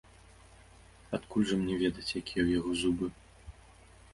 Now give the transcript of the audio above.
Адкуль жа мне ведаць, якія ў яго зубы?